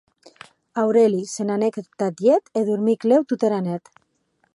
Aureli se n’anèc entath lhet e dormic lèu tota era net.